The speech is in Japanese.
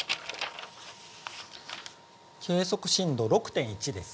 計測震度６．１です。